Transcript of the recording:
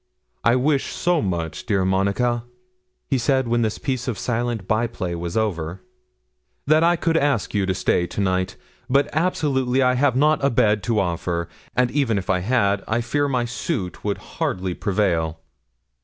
'I wish so much, dear Monica,' he said, when this piece of silent by play was over, 'that I could ask you to stay to night; but absolutely I have not a bed to offer, and even if I had, I fear my suit would hardly prevail.'